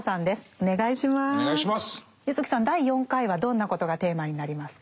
柚木さん第４回はどんなことがテーマになりますか？